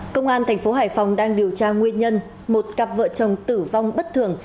công an thành phố hải phòng đang điều tra nguyên nhân một cặp vợ chồng tử vong bất thường